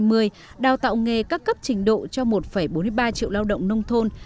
đến năm hai nghìn hai mươi đào tạo nghề cấp cấp trình độ cho một bốn mươi ba triệu lao động nông thôn